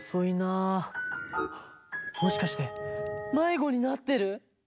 あもしかしてまいごになってる？